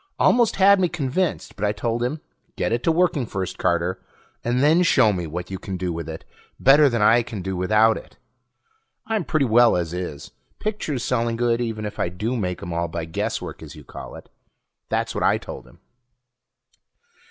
Almost had me convinced, but I told him, "Get it to working first, Carter, and then show me what you can do with it better than I can do without it. I'm doing pretty well as is ... pictures selling good, even if I do make 'em all by guesswork, as you call it." That's what I told him.